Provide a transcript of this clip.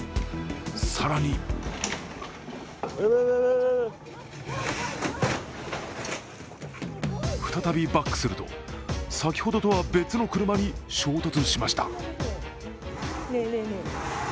更に再びバックすると先ほどとは別の車に衝突しました。